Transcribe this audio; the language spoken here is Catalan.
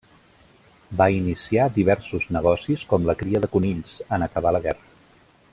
Va iniciar diversos negocis com la cria de conills, en acabar la guerra.